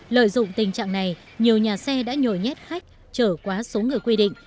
lợi dụng tình trạng này nhiều nhà xe đã nhồi nhét khách trở quá số người quy định